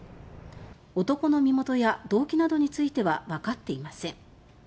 男の身元や動機などについてはわかっていません。